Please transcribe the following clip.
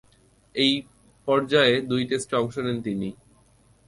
এ পর্যায়ে দুই টেস্টে অংশ নেন তিনি।